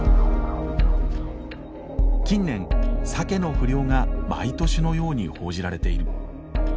近年サケの不漁が毎年のように報じられている。